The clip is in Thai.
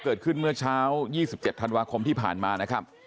เกิดขึ้นเมื่อเช้า๒๗ธันวาคมที่ผ่านมานะครับ